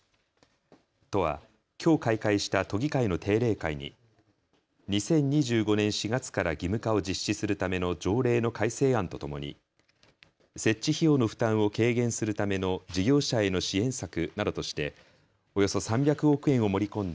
都は、きょう開会した都議会の定例会に２０２５年４月から義務化を実施するための条例の改正案とともに設置費用の負担を軽減するための事業者への支援策などとしておよそ３００億円を盛り込んだ